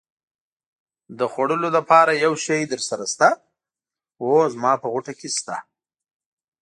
د خوړلو لپاره یو شی درسره شته؟ هو، زما په غوټه کې شته.